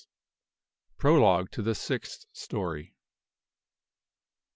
PROLOGUE TO THE SIXTH STORY.